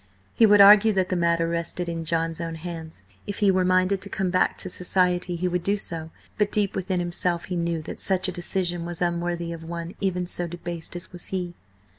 He would argue that the matter rested in John's own hands: if he were minded to come back to society, he would do so; but deep within himself he knew that such a decision was unworthy of one even so debased as was he.